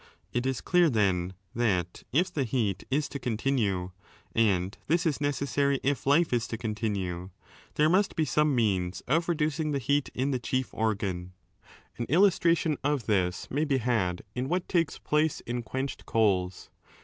It is clear, then, that if the heat is to continue (and this is necessary if life is to continue), there must be some 5 means of reducing the heat in the chief organ. An illustration of this may be had in what takes place in quenched coals.